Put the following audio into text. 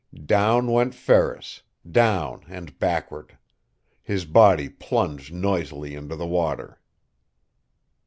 Down went Ferris down and backward. His body plunged noisily into the water.